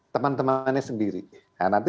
teman temannya sendiri nah nanti